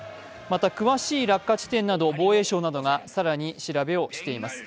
また、詳しい落下地点など、防衛省が更に調べをしています。